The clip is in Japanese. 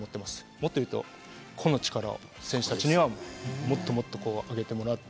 もっともっと個の力を選手たちにはもっともっと上げてもらって。